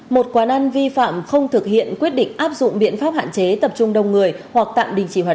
một quán ăn vi phạm không thực hiện quyết định áp dụng biện pháp hạn chế tập trung đông người hoặc tạm đình chỉ hoạt động